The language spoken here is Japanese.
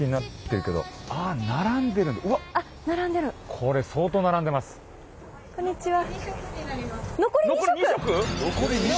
こんにちは。